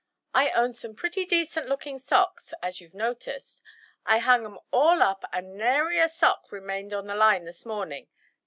I own some pretty decent looking socks, as you've noticed—I hung 'em all up and nary a sock remained on the line this morning.